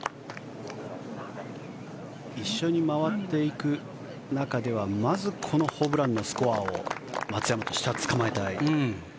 一緒に回っていく中ではまず、このホブランのスコアを松山としてはつかまえたい。